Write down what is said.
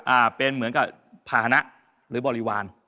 เป็นเหมือนกับภาษณะหรือบริวาร